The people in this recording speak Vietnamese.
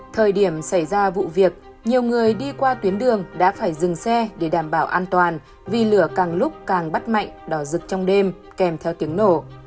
thời điểm xảy ra vụ việc nhiều người đi qua tuyến đường đã phải dừng xe để đảm bảo an toàn vì lửa càng lúc càng bắt mạnh đỏ rực trong đêm kèm theo tiếng nổ